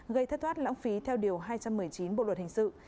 gây thất thoát lãng phí theo điều hai trăm một mươi chín bộ luật hình sự